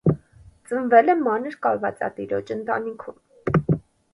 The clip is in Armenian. Ծնվել է մանր կալվածատիրոջ ընտանիքում։